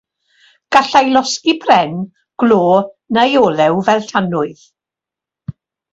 Gallai losgi pren, glo neu olew fel tanwydd.